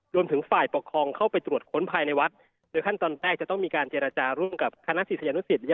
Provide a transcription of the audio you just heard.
รวมถึงฝ่ายปกครองเข้าไปตรวจค้นภายในวัดโดยขั้นตอนแรกจะต้องมีการเจรจาร่วมกับคณะศิษยานุสิต